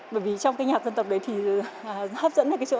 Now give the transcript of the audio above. bởi vì trong cái nhạc dân tộc đấy thì hấp dẫn đến cái chỗ